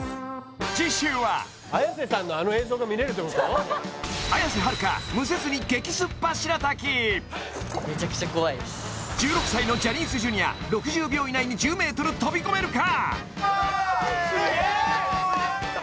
次週は１６歳のジャニーズＪｒ．６０秒以内に１０ｍ飛び込めるか？